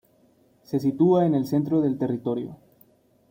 Se sitúa en el centro del territorio.